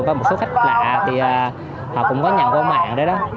và một số khách lạ thì họ cũng có nhận qua mạng đấy đó